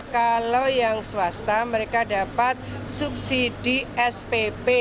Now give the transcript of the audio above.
kalau yang swasta mereka dapat subsidi spp